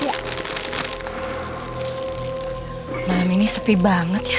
malam ini sepi banget ya